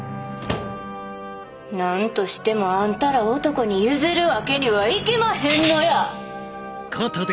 何としてもあんたら男に譲るわけにはいきまへんのや！